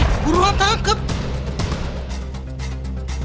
eh buruan tangkap